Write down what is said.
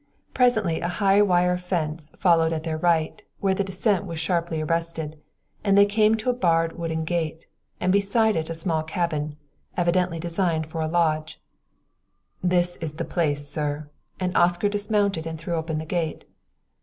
Presently a high wire fence followed at their right, where the descent was sharply arrested, and they came to a barred wooden gate, and beside it a small cabin, evidently designed for a lodge. "This is the place, sir," and Oscar dismounted and threw open the gate.